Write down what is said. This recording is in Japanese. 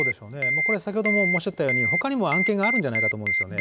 これ、先ほどもおっしゃったように、ほかにも案件があるんじゃないかと思うんですよね。